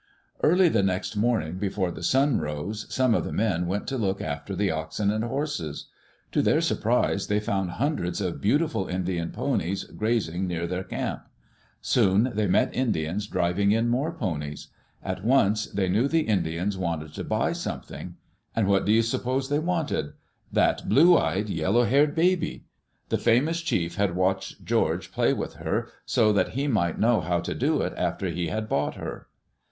Early the next morning, before the sun rose, some of the men went to look after the oxen and horses. To their surprise they found hundreds of beautiful Indian ponies grazing near their camp. Soon they met Indians driving in more ponies. At once they knew the Indians wanted to ^, Digitized by VjOOQ LC EARLY DAYS IN OLD OREGON buy something. And what do you suppose they wanted? That blue eyed, yellow haired baby I The famous chief had watched George play with her so that he might know how to do it after he had bought her.